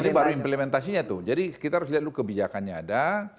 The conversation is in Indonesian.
ini baru implementasinya tuh jadi kita harus lihat dulu kebijakannya ada